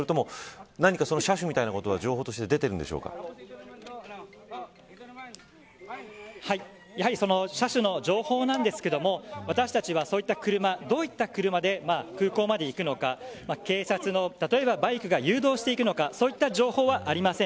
何か車種みたいなものをやはり車種の情報なんですけれども私たちは、そういった車どういった車で空港まで行くのか警察の例えばバイクが誘導していくのかそういった情報はありません。